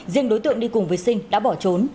riêng đối tượng đi cùng với sinh đã bỏ trốn